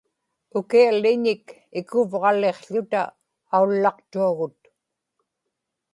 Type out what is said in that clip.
ukialliñik ikuvġaliqł̣uta aullaqtuagut